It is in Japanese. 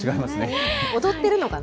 踊ってるのかな。